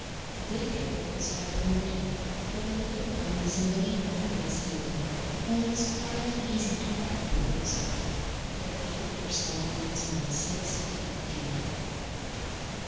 The big river was rather muddy, but the little one was nearly always clear, and it was quite easy to paddle across it, though there were some pools in it six feet deep.